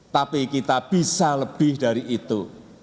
tapi kita bisa lebih dari itu